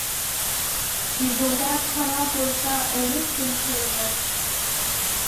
يۈزۈڭدە قارا بولسا ئەينەكتىن كۆرمە.